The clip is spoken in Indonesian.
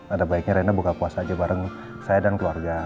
ada baiknya rena buka puasa aja bareng saya dan keluarga